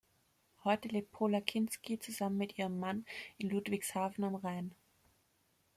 Heute lebt Pola Kinski zusammen mit ihrem Mann in Ludwigshafen am Rhein.